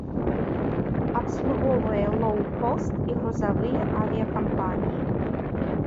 Абслугоўвае лоў-кост і грузавыя авіякампаніі.